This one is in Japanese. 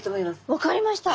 分かりました。